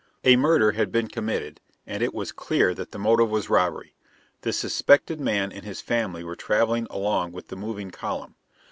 A murder had been committed, and it was clear that the motive was robbery. The suspected man and his family were traveling along with the moving column.